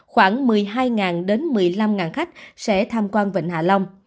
khoảng một mươi hai đến một mươi năm khách sẽ tham quan vịnh hạ long